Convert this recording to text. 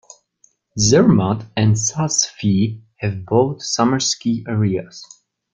Zermatt and Saas-Fee have both summer ski areas.